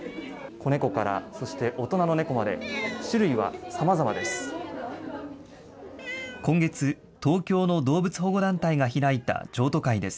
子猫からそして大人の猫まで種類はさまざまです。